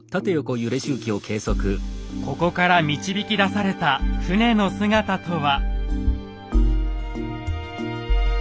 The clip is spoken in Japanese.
ここから導き出された船の姿とは。